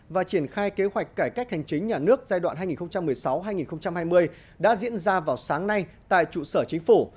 và triển khai kế hoạch cải cách hành chính nhà nước giai đoạn hai nghìn một mươi sáu hai nghìn hai mươi đã diễn ra vào sáng nay tại trụ sở chính phủ